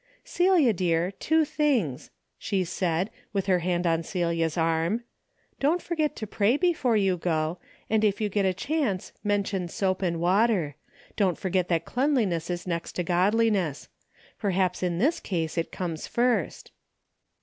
Celia dear, two things," she* said, with her hand on Celia's arm. " Don't for get to pray before you go, and if you get a chance mention soap and water. Don't forget that cleanliness is next to godliness. Perhaps in this case it comes first."